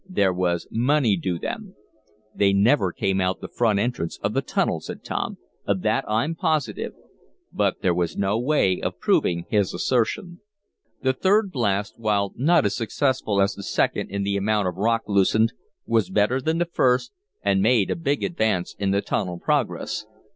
"There was money due em." "They never came out of the front entrance of the tunnel," said Tom. "Of that I'm positive." But there was no way of proving his assertion. The third blast, while not as successful as the second in the amount of rock loosened, was better than the first, and made a big advance in the tunnel progress.